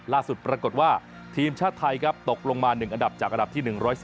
ปรากฏว่าทีมชาติไทยครับตกลงมา๑อันดับจากอันดับที่๑๔